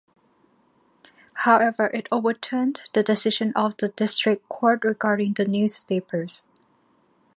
However, it overturned the decision of the district court regarding the newspapers.